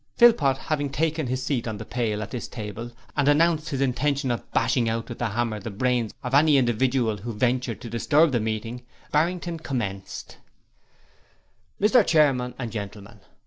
Philpot having taken his seat on the pail at this table and announced his intention of bashing out with the hammer the brains of any individual who ventured to disturb the meeting, Barrington commenced: 'Mr Chairman and Gentlemen.